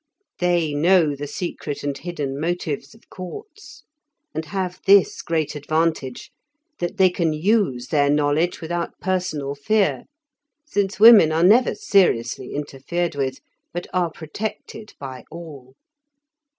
They know the secret and hidden motives of courts, and have this great advantage, that they can use their knowledge without personal fear, since women are never seriously interfered with, but are protected by all.